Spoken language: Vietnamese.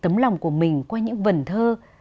tấm lòng của mình qua những vần thơ